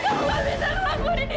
kamu enggak bisa lakukan ini